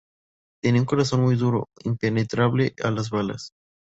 Tiene un corazón muy duro impenetrable a las balas.